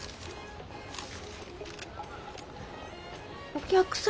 お客様。